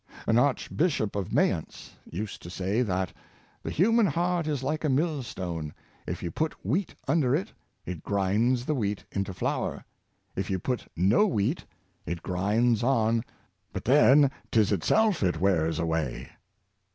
An archbishop of Mayence used to say that " the human heart is like a mill stone: if you put wheat under it, it grinds the wheat into flour; if you put no wheat, it grinds on, but then 'tis itself it wears away."